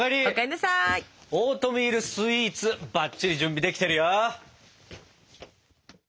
オートミールスイーツバッチリ準備できてるよ！